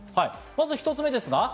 まず１つ目です。